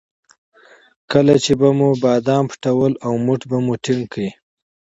کله چې به مو بادام پټول او موټ به مو ټینګ کړ.